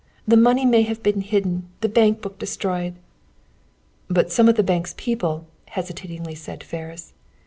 "The money may have been hidden, the bank book destroyed." "By some of the bank's people," hesitatingly said Ferris.